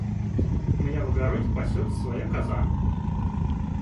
У меня в огороде пасётся своя коза.